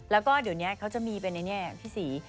แล้วก็เดี๋ยวนี้เขาจะมีเป็นในแง่พี่ศรี